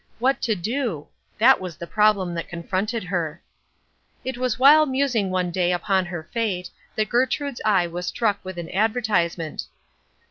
What to do? That was the problem that confronted her. It was while musing one day upon her fate that Gertrude's eye was struck with an advertisement.